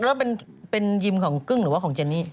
แล้วเป็นยิมของกึ้งหรือว่าของเจนี่